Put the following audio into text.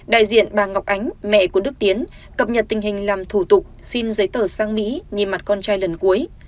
đại diện bà ngọc ánh mẹ của đức tiến cập nhật tình hình làm thủ tục xin giấy tờ sang mỹ nhìn mặt con trai lần cuối